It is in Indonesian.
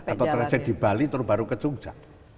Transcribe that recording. atau transit di bali baru ke jogja